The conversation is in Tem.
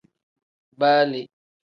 Baa le.